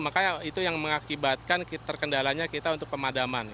makanya itu yang mengakibatkan terkendalanya kita untuk pemadaman